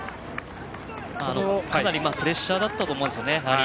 プレッシャーだったと思うんですよね。